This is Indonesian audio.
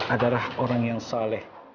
adalah orang yang saleh